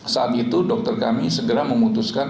saat itu dokter kami segera memutuskan